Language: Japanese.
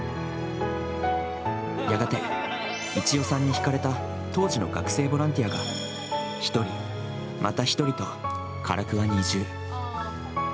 やがて、一代さんにひかれた当時の学生ボランティアが１人、また１人と唐桑に移住。